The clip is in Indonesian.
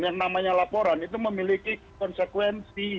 yang namanya laporan itu memiliki konsekuensi